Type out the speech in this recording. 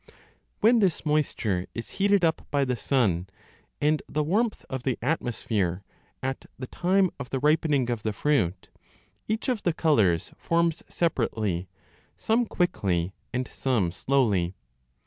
When this moisture is heated up by the sun and the warmth of the atmosphere at the time of the ripening of the fruit, each of the colours forms separately, some quickly and some slowly.